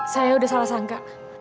saya udah salah sangka